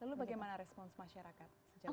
lalu bagaimana respons masyarakat sejauh ini